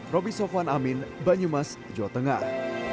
roby sofwan amin banyumas jawa tengah